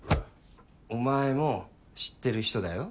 お前も知ってる人だよ。